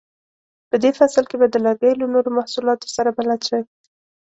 په دې فصل کې به د لرګیو له نورو محصولاتو سره بلد شئ.